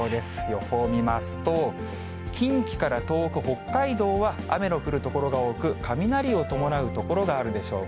予報見ますと、近畿から東北、北海道は、雨の降る所が多く、雷を伴う所があるでしょう。